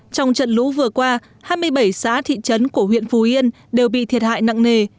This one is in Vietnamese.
trong trận lũ vừa qua hai mươi bảy xã thị trấn của huyện phú yên đều bị thiệt hại nặng nề